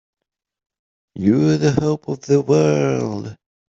You're the hope of the world!